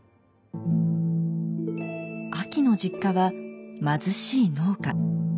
あきの実家は貧しい農家。